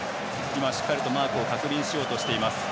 今しっかりとマークを確認しようとしています。